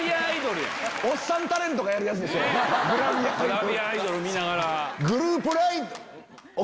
グラビアアイドル見ながら。